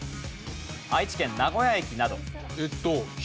愛知県名古屋駅など。